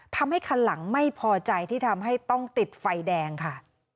ทำให้คันหลังไม่พอใจที่ทำให้ต้องติดไฟแดงค่ะ